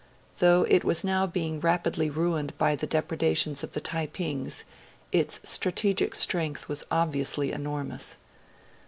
Though it was now being rapidly ruined by the depredations of the Taipings, its strategic strength was obviously enormous.